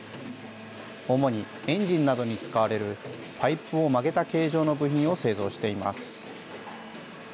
主にエンジンなどに使われるパイプを曲げた形状の部品を製造しています。